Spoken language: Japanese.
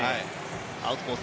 アウトコース